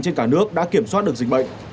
trên cả nước đã kiểm soát được dịch bệnh